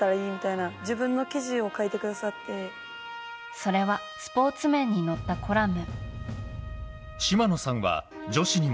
それはスポーツ面に載ったコラム。